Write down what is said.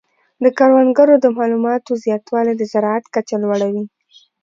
د کروندګرو د معلوماتو زیاتوالی د زراعت کچه لوړه وي.